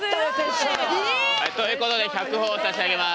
煌翔！ということで１００ほぉ差し上げます！